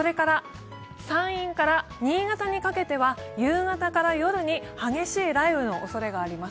山陰から新潟にかけては夕方から夜に激しい雷雨のおそれがあります。